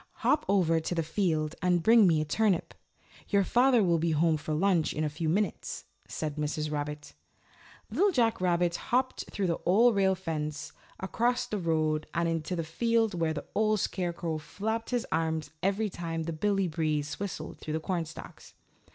"Hop over to the field and bring me a turnip. Your father will be home for lunch in a few minutes," said Mrs. Rabbit. Little Jack Rabbit hopped through the Old Rail Fence, across the road and into the field where the Old Scarecrow flapped his arms every time Billy Breeze whistled through the cornstalks.